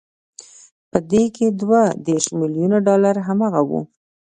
په دې کې دوه دېرش ميليونه ډالر هماغه وو